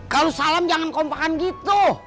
kalau salam jangan kompakan gitu